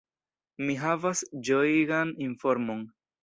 Mi havas ĝojigan informon.